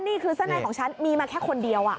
นี่คือเสื้อในของฉันมีมาแค่คนเดียว